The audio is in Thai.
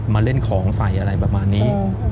มาเล่นของใส่อะไรประมาณนี้